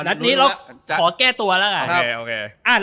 นัดนี้เราขอแก้ตัวละก่อน